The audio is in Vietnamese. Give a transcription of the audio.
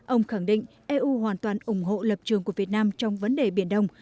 ông khẳng định eu hoàn toàn ủng hộ lập trường của việt nam trong vấn đề biển đông